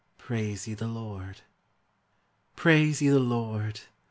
Praise ye the Lord! Praise ye the Lord!